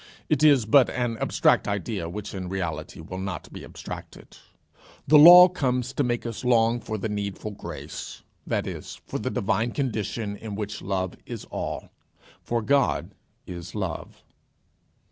It is but an abstract idea which, in reality, will not be abstracted. The law comes to make us long for the needful grace, that is, for the divine condition, in which love is all, for God is Love.